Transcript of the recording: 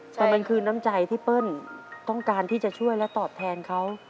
แต่มันคือน้ำใจที่เปิ้ลต้องการที่จะช่วยและตอบแทนเขา